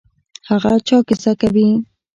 هغه چا کیسه کوي.